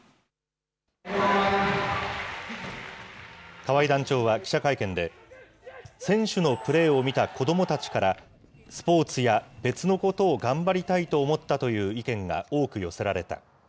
河合団長は記者会見で、選手のプレーを見た子どもたちから、スポーツや別のことを頑張りたいと思ったという意見が多く寄せられた。